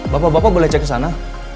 bapak bapak boleh cek ke sana